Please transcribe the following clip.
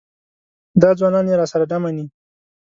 دا ځوانان یې راسره نه مني.